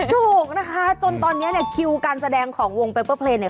ถูกนะคะจนตอนนี้เนี่ยคิวการแสดงของวงเปเปอร์เพลงเนี่ย